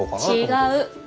違う。